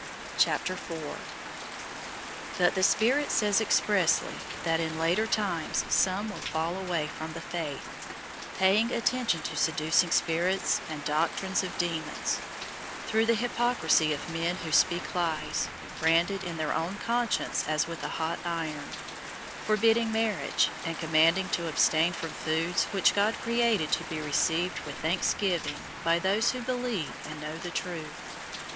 004:001 But the Spirit says expressly that in later times some will fall away from the faith, paying attention to seducing spirits and doctrines of demons, 004:002 through the hypocrisy of men who speak lies, branded in their own conscience as with a hot iron; 004:003 forbidding marriage and commanding to abstain from foods which God created to be received with thanksgiving by those who believe and know the truth.